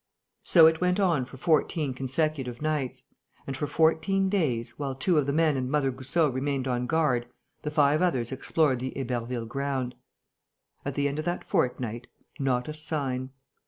So it went on for fourteen consecutive nights. And for fourteen days, while two of the men and Mother Goussot remained on guard, the five others explored the Héberville ground. At the end of that fortnight, not a sign.